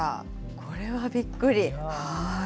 これはびっくり。